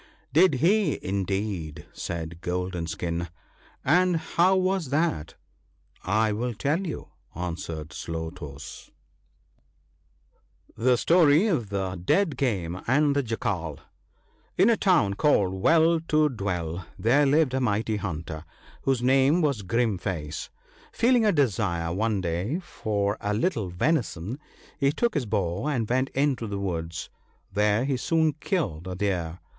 "' Did he, indeed,' said Golden skin ;' and how was that ?'* I will tell you, 7 answered Slow toes :— THE WINNING OF FRIENDS. 45 $Cge ^torn of tfje l>eab <$ame ant tfje Slacftal N a town called " Well to Dwell " there lived a mighty hunter, whose name was "Grim face." Feeling a desire one day for a little venison, he took his bow, and went into the woods ; where he soon killed a deer.